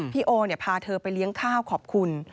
พี่โอพาเธอไปเลี้ยงข้าวขอบคุณ